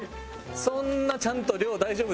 そんなちゃんと量大丈夫ですよ。